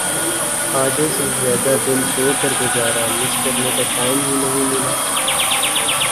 آدھے سے زیادہ دن سو کر گزارا مس کرنے کا ٹائم ہی نہیں ملا